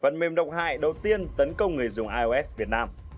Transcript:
phần mềm độc hại đầu tiên tấn công người dùng ios việt nam